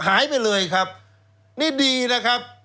หายไปเลยครับนี่ดีนะครับ